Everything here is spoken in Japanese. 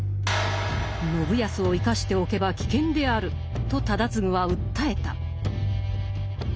「信康を生かしておけば危険である」と忠次は訴えた。